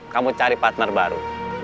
kamu cari partner baru